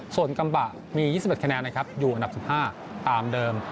ส่วนกำบะมี๒๑คะแนนนะครับอยู่อันดับ๑๕ตามเดิม